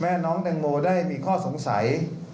แม่น้องแตงโมได้มีข้อสงสัย